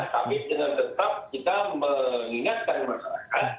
kami dengan tetap kita mengingatkan masyarakat